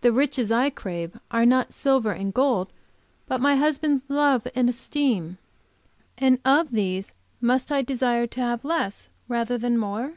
The riches I crave are not silver and gold, but my husband's love and esteem. And of these must I desire to have less rather than more?